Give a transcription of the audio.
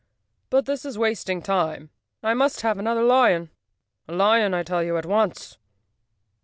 But this is wasting time. I must have another lion. A lion, I tell you, at once!"